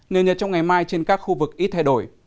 nền nhiệt trong ngày mai trên các khu vực ít thay đổi